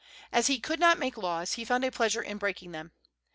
As he could not make laws, he found a pleasure in breaking them.